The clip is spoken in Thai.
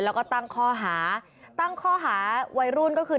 แล้วก็ตั้งข้อหาตั้งข้อหาวัยรุ่นก็คือ